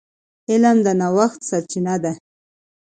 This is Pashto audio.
علم د نوښت سرچینه ده.